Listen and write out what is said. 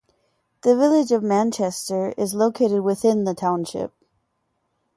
The Village of Manchester is located within the township.